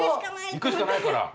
いくしかないから。